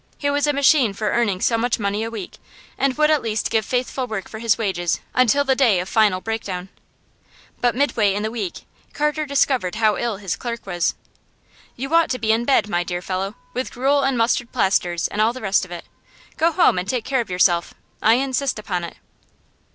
He was a machine for earning so much money a week, and would at least give faithful work for his wages until the day of final breakdown. But, midway in the week, Carter discovered how ill his clerk was. 'You ought to be in bed, my dear fellow, with gruel and mustard plasters and all the rest of it. Go home and take care of yourself I insist upon it.